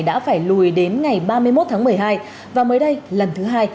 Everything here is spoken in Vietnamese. đã phải lùi đến ngày ba mươi một tháng một mươi hai và mới đây lần thứ hai